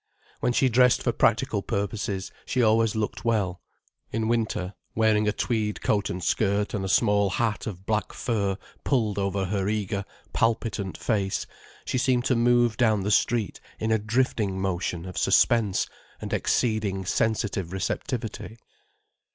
When she dressed for practical purposes she always looked well. In winter, wearing a tweed coat and skirt and a small hat of black fur pulled over her eager, palpitant face, she seemed to move down the street in a drifting motion of suspense and exceeding sensitive receptivity.